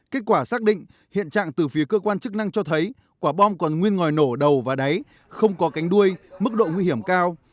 kết quả xác định hiện trạng từ phía cơ quan chức năng cho thấy quả bom còn nguyên ngòi nổ đầu và đáy không có cánh đuôi mức độ nguy hiểm cao